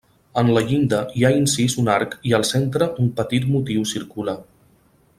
En la llinda hi ha incís un arc i al centre un petit motiu circular.